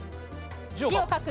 字を書く。